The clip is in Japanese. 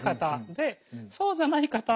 でそうじゃない方